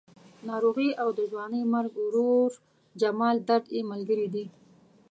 ناروغي او د ځوانې مرګ ورور جمال درد یې ملګري دي.